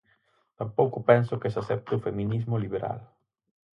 Tampouco penso que se acepte o feminismo liberal.